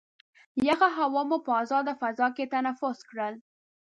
یخه هوا مو په ازاده فضا کې تنفس کړل.